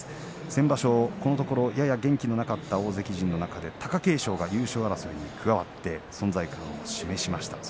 先場所、このところやや元気がなかった大関陣の中で貴景勝が優勝争いに加わって存在感を示しました。